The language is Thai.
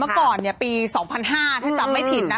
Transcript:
กันพี่๒๐๐๕ถ้าจำไม่ถิ่นน่ะ